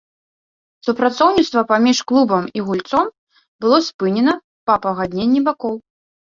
Супрацоўніцтва паміж клубам і гульцом было спынена па пагадненні бакоў.